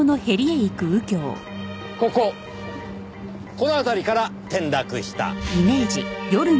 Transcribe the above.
この辺りから転落した。